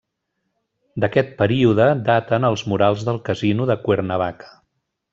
D'aquest període daten els murals del Casino de Cuernavaca.